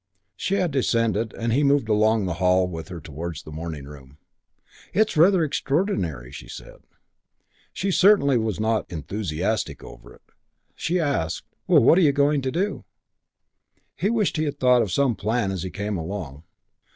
She had descended and he moved along the hall with her towards the morning room. "It's rather extraordinary," she said. She certainly was not enthusiastic over it. She asked, "Well, what are you going to do?" He wished he had thought of some plan as he came along.